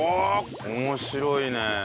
面白いね。